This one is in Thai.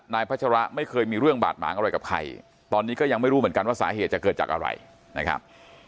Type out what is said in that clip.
พัชระไม่เคยมีเรื่องบาดหมางอะไรกับใครตอนนี้ก็ยังไม่รู้เหมือนกันว่าสาเหตุจะเกิดจากอะไรนะครับ